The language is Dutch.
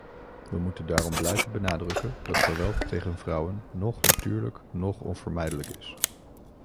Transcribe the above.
We moeten daarom blijven benadrukken dat geweld tegen vrouwen noch natuurlijk noch onvermijdelijk is.